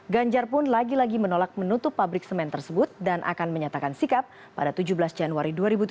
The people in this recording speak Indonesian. ganjar pun lagi lagi menolak menutup pabrik semen tersebut dan akan menyatakan sikap pada tujuh belas januari dua ribu tujuh belas